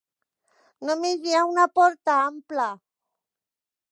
Només hi ha una porta ampla.